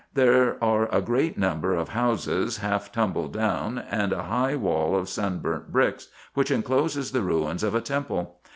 There are a great number of houses, half tumbled down, and a high wall of sun burnt bricks, which incloses the ruins of a temple.